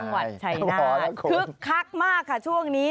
จังหวัดชัยนาธคึกคักมากค่ะช่วงนี้